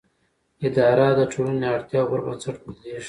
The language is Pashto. اداره د ټولنې د اړتیاوو پر بنسټ بدلېږي.